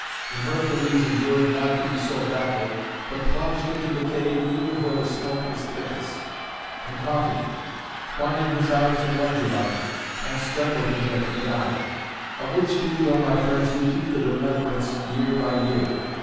And Hercules endured not to be so baffled, but plunged into the cave, even where the smoke was thickest, and caught him, twining his arms and legs about him, and strangled him that he died. Of which deed, O my friends, we keep the remembrance year by year.